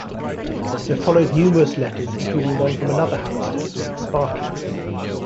There followed numerous letters, including one from another hamster named Sparky.